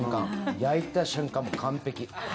焼いた瞬間、もう完璧。